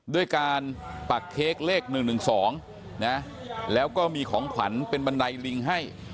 ด้วยการปักเค้กเลข๑๑๒นะแล้วก็มีของขวัญเป็นบันไดลิงให้